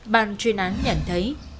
bàn truyền án nhận thấy